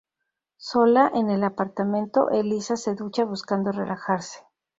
Sola en el apartamento, Elisa se ducha buscando relajarse.